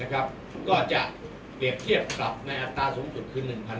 ก็จะเปรียบเทียบปรับในอัตราสูงสุดคือ๑๐๐